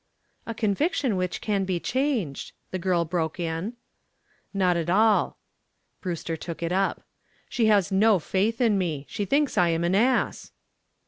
"A conviction which can be changed," the girl broke in. "Not at all." Brewster took it up. "She has no faith in me. She thinks I'm an ass."